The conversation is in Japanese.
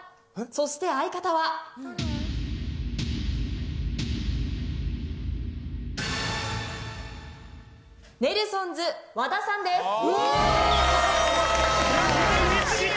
そして相方はネルソンズ和田さんですやった嬉しい！